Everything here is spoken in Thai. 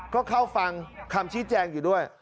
ก็เข้าฟังคำชี้แจงอยู่ด้วย